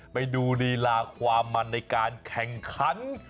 ไปดูลีลาความมันในการแข่งขัน